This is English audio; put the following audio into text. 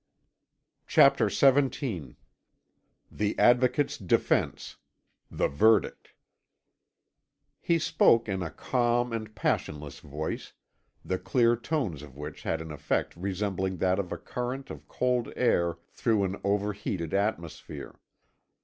CHAPTER XVII THE ADVOCATES DEFENCE THE VERDICT He spoke in a calm and passionless voice, the clear tones of which had an effect resembling that of a current of cold air through an over heated atmosphere.